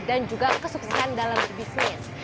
dan juga kesuksesan dalam bisnis